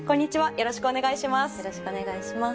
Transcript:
よろしくお願いします。